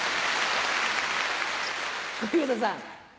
小遊三さん。